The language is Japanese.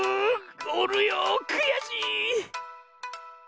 おるよくやしい！